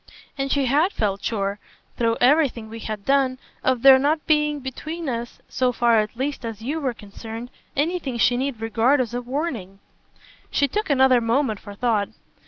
And she HAD felt sure through everything we had done of there not being between us, so far at least as you were concerned, anything she need regard as a warning." She took another moment for thought.